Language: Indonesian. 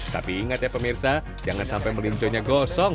tapi ingat ya pemirsa jangan sampai melinjo nya gosong